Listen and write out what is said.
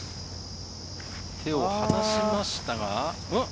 手を離しました。